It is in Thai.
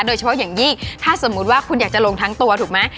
โดยเฉพาะอย่างยิ่งถ้าสมมุติว่าคุณอยากจะลงทั้งตัวถูกไหม